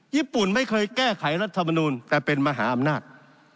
ญี่ปุ่นไม่เคยแก้ไขรัฐมนูลแต่เป็นมหาอำนาจ